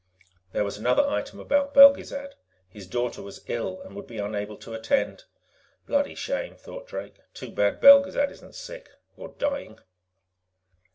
There was another item about Belgezad; his daughter was ill and would be unable to attend. Bloody shame, thought Drake. _Too bad Belgezad isn't sick or dying.